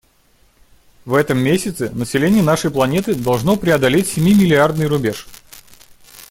В этом месяце население нашей планеты должно преодолеть семи миллиардный рубеж.